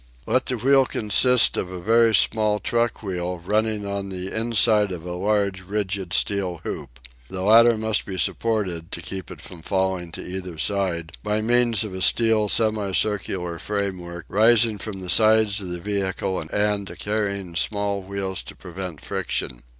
Let the wheel consist of a very small truck wheel running on the inside of a large, rigid steel hoop. The latter must be supported, to keep it from falling to either side, by means of a steel semi circular framework rising from the sides of the vehicle and carrying small wheels to prevent friction.